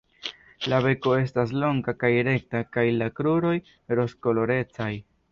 La beko estas longa kaj rekta kaj la kruroj rozkolorecaj.